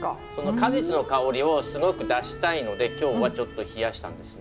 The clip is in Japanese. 果実の香りをすごく出したいので今日はちょっと冷やしたんですね。